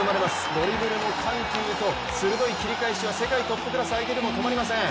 ドリブルの緩急と鋭い切り返しは世界トップクラス相手でも止まりません。